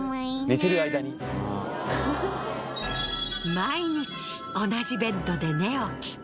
毎日同じベッドで寝起き。